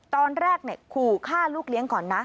ตอนแรกขู่ฆ่าลูกเลี้ยงก่อนนะ